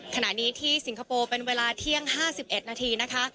ขณะนี้ที่สิงคโปร์เป็นเวลาเที่ยง๕๑นาทีนะคะ